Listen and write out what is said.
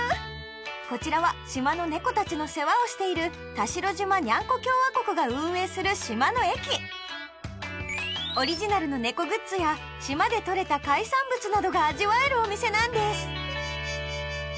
こちらは島の猫たちの世話をしている田代島にゃんこ共和国が運営する島のえきオリジナルの猫グッズや島でとれた海産物などが味わえるお店なんです